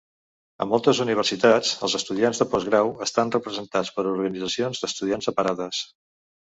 A moltes universitats, els estudiants de postgrau estan representats per organitzacions d'estudiants separades.